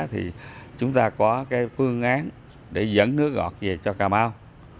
thì chúng ta có cái phương án để dẫn nước ngọt về cho cà mau